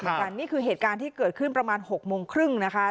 นี่คือเหตุการณ์ที่เกิดขึ้นประมาณ๖โมงครึ่งนะคะ